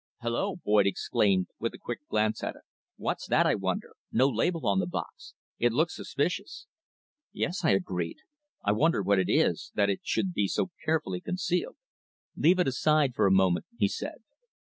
"Hulloa!" Boyd exclaimed, with a quick glance at it. "What's that, I wonder? No label on the box. It looks suspicious!" "Yes," I agreed. "I wonder what it is, that it should be so carefully concealed?" "Leave it aside for a moment," he said.